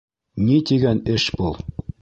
Ни тигән эш был.